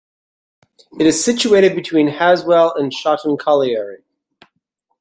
It is situated between Haswell and Shotton Colliery.